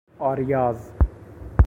آریاز